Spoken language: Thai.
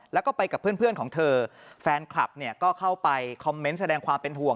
แล้วก็ไปกับเพื่อนของเธอแฟนคลับเนี่ยก็เข้าไปคอมเมนต์แสดงความเป็นห่วง